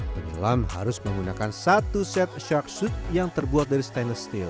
penyelam harus menggunakan satu set shark suit yang terbuat dari stainless steel